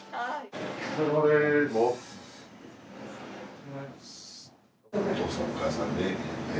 お疲れさまです人間